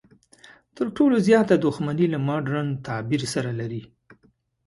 تر ټولو زیاته دښمني له مډرن تعبیر سره لري.